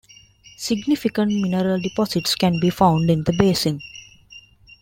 Significant mineral deposits can be found in the basin.